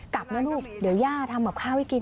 กลับนะลูกเดี๋ยวย่าทำกับข้าวให้กิน